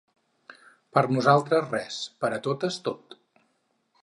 Per nosaltres res, per a totes tot.